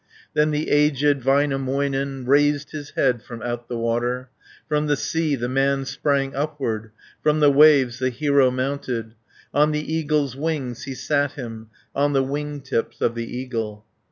Then the aged Väinämöinen Raised his head from out the water, From the sea the man sprang upward, From the waves the hero mounted. On the eagle's wings he sat him, On the wing tips of the eagle.